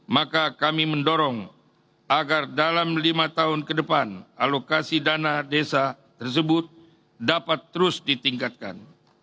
maka kami mendorong agar dalam lima tahun ke depan alokasi dana desa tersebut dapat terus ditingkatkan